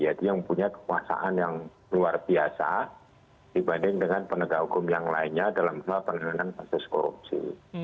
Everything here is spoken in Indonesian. jadi yang punya kekuasaan yang luar biasa dibanding dengan penegak hukum yang lainnya dalam pengenalan kasus korupsi